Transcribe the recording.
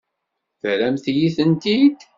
Terramt-iyi-tent-id?